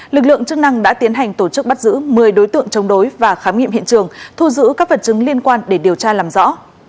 lực lượng chức năng đã tiến hành tổ chức bắt giữ một mươi đối tượng chống đối và khám nghiệm hiện trường thu giữ các vật chứng liên quan để điều tra làm rõ